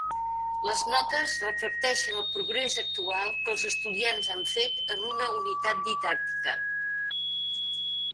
Les notes reflecteixen el progrés actual que els estudiants han fet en una unitat didàctica.